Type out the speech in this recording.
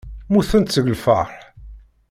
Mmutent seg lfeṛḥ.